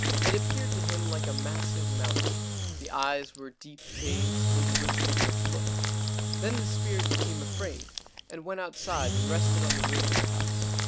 It appeared to him like a massive mountain. The eyes were deep caves, into which the ghost looked. Then the spirit became afraid and went outside and rested on the roof of the house.